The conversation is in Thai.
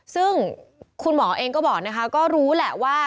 ซึ่งคุณหมอเองก็บอกนะคะก็รู้แหละว่า